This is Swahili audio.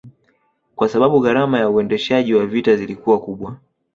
kwasababu gharama za uendeshaji wa vita zilikuwa kubwa